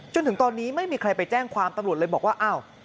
จนถึงตอนนี้ไม่มีใครไปแจ้งความตำรวจเลยบอกว่าอ้าว